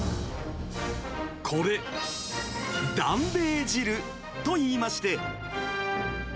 これ、だんべぇ汁といいまして。